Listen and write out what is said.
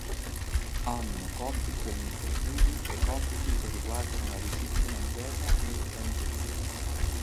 Hanno compiti amministrativi e compiti che riguardano la disciplina interna e l'organizzazione.